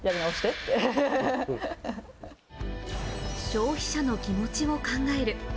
消費者の気持ちを考える。